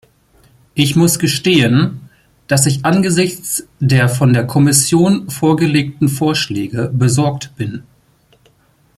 Ich muss gestehen, dass ich angesichts der von der Kommission vorgelegten Vorschläge besorgt bin.